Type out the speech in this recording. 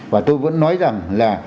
và tôi vẫn nói rằng là